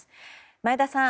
前田さん